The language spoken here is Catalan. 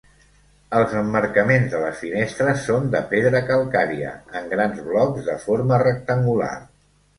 Els emmarcaments de les finestres són de pedra calcària en grans blocs de forma rectangular.